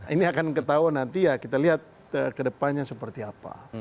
ini akan ketahuan nanti ya kita lihat kedepannya seperti apa